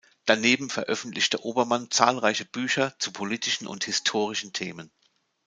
Daneben veröffentlichte Obermann zahlreiche Bücher zu politischen und historischen Themen.